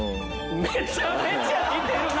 めちゃめちゃ似てるな！